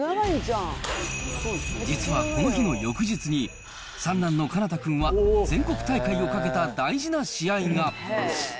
実はこの日の翌日に、三男の奏君は全国大会をかけた大事な試合が。